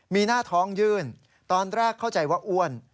มีหน้าท้องยื่นตอนแรกเข้าใจว่าอ้วน